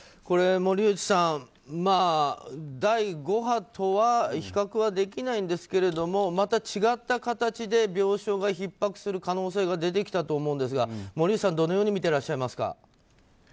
これ森内さん、第５波とは比較はできないんですがまた違った形で病床がひっ迫する可能性が出てきたと思うんですが森内さんはどのように見てらっしゃいますか？